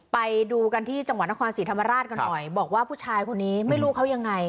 ไปดูกันที่จังหวัดนครศรีธรรมราชกันหน่อยบอกว่าผู้ชายคนนี้ไม่รู้เขายังไง